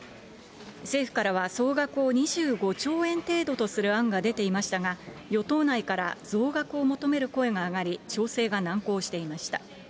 政府からは総額を２５兆円程度とする案が出ていましたが、与党内から増額を求める声が上がり、調整が難航していました。